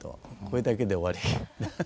これだけで終わり。